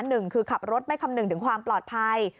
หนึ่งคือขับรถไม่คำนึงถึงความปลอดภัย